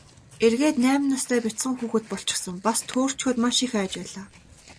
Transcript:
Эргээд найман настай бяцхан хүүхэд болчихсон, бас төөрчхөөд маш их айж байлаа.